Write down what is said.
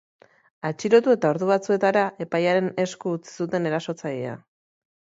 Atxilotu eta ordu batzuetara, epailearen esku utzi zuten erasotzailea.